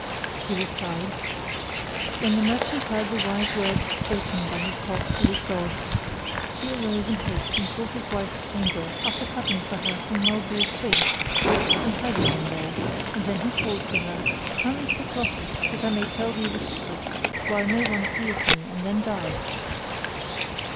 He replied, "When the merchant heard the wise words spoken by his Cock to his Dog, he arose in haste and sought his wife's chamber, after cutting for her some mulberry twigs and hiding them there; and then he called to her, "Come into the closet that I may tell thee the secret while no one seeth me and then die."